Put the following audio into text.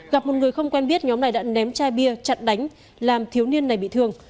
gặp một người không quen biết nhóm này đã ném chai bia chặt đánh làm thiếu niên này bị thương